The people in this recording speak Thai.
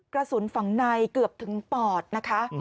กระสุนฝั่งในเกือบถึงปอดนะคะ